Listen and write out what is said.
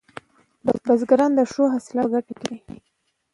بزګران د ښو حاصلاتو په لټه کې دي.